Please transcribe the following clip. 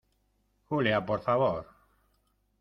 Julia, por favor.